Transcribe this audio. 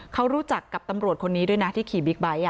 เขารู้จักกับตำรวจคนนี้ด้วยนะที่ขี่บิ๊กไบท์